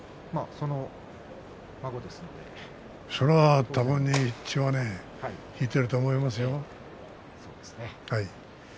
それは多分に血を引いていると思いますよ。